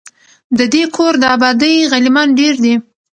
د دې کور د آبادۍ غلیمان ډیر دي